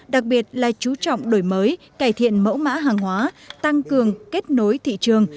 đặc biệt là chú trọng đổi mới cải thiện mẫu mã hàng hóa tăng cường kết nối thị trường